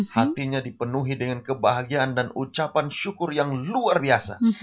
hatinya dipenuhi dengan kebahagiaan dan ucapan syukur yang luar biasa